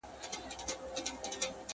د غازیانو له شامته هدیرې دي چي ډکیږی،